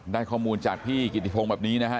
ได้ข้อมูลจากพี่กิติพงศ์แบบนี้นะฮะ